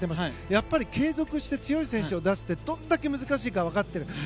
やっぱり継続して強い選手を出すってどれだけ難しいかわかっている。